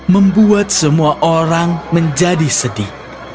membuat semua orang menjadi sedih